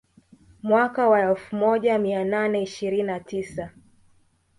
Mwaka wa elfu moja mia nane ishirini na tisa